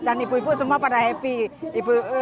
dan ibu ibu semua pada happy